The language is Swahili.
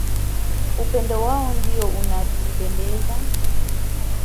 Upendo wao ndio unaotupendeza